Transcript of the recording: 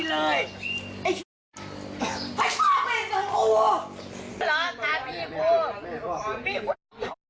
เวียดมันยังไม่พูดไหม